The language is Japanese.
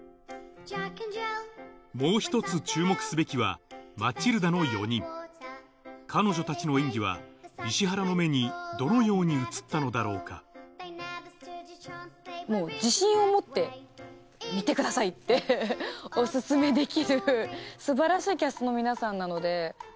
もう１つ注目すべきはマチルダの４人彼女たちの演技は石原の目にどのように映ったのだろうか自信を持って「見てください」ってお薦めできる素晴らしいキャストの皆さんなので。